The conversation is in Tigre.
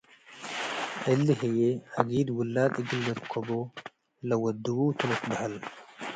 እሊ ህዬ አጊድ ውላድ እግል ልርከቦ ለወድዉ ቱ ልትበሀል ።